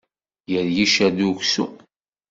Gar yiccer d uksum.